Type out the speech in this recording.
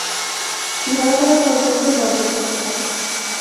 ধরা পড়ার শখ জাগলে, বকবক করতে থাকো।